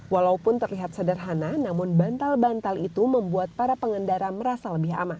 walaupun terlihat sederhana namun bantal bantal itu membuat para pengendara merasa lebih aman